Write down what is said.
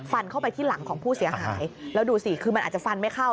เข้าไปที่หลังของผู้เสียหายแล้วดูสิคือมันอาจจะฟันไม่เข้า